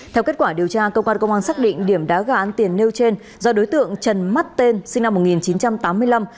theo kết quả điều tra công an công an xác định điểm đá gà ăn tiền nêu trên do đối tượng trần mắt tên sinh năm một nghìn chín trăm tám mươi năm